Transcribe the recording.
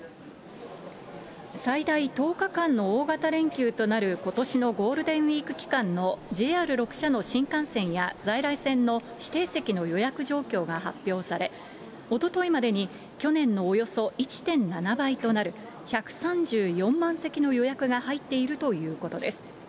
最大１０日間の大型連休となることしのゴールデンウィーク期間のＪＲ６社の新幹線や、在来線の指定席の予約状況が発表され、おとといまでに去年のおよそ１．７倍となる１３４万席の予約が入っているということです。